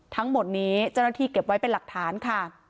ทั้งหมดนี้เจ้าหน้าที่เก็บไว้เป็นหลักฐานค่ะ